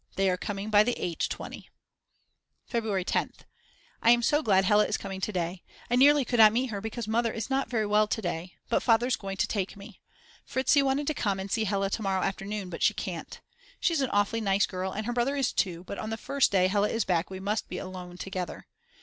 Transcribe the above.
They are coming by the 8.20. February 10th. I am so glad Hella is coming to day. I nearly could not meet her because Mother is not very well to day. But Father's going to take me. Fritzi wanted to come and see Hella to morrow afternoon, but she can't. She's an awfully nice girl and her brother is too, but on the first day Hella is back we must be alone together.